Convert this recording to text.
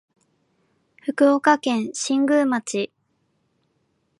福岡県新宮町